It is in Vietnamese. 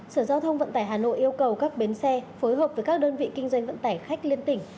sở giao thông vận tải hà nội yêu cầu các bến xe phối hợp với các đơn vị kinh doanh vận tải khách liên tỉnh